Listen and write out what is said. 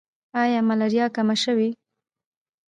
آیا ملاریا کمه شوې؟